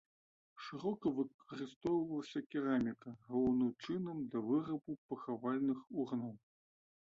Шырока выкарыстоўвалася кераміка, галоўным чынам для вырабу пахавальных урнаў.